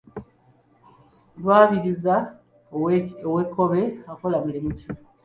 Lwabiriza ow’e Kkobe akola mulimu ki?